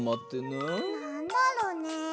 なんだろうね？